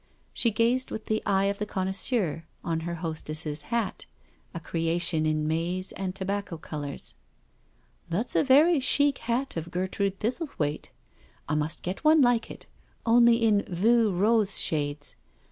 She gazed with the eye of the con noisseur on her hostess's hat, a creation in maize and tobacco colours, " That's a very chic hat of Gertrude Thistlethwaite I I must get one like it, only in vieux rose shades.